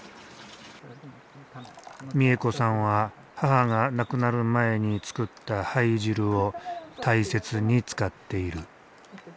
美恵子さんは母が亡くなる前に作った灰汁を大切に使っている。